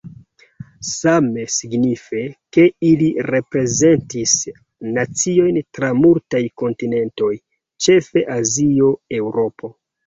Same signife, ke ili reprezentis naciojn tra multaj kontinentoj, ĉefe Azio, Eŭropo.